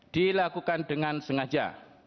dilakukan dengan sengaja